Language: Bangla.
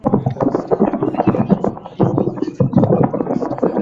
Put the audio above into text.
এমনকি চীনের সঙ্গে বাংলাদেশের সম্পর্কের নেতিবাচক প্রভাব পড়ার আশঙ্কা দেখা দিয়েছে।